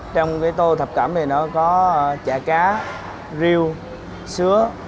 trong tô thập cẩm nó có chả cá rượu sữa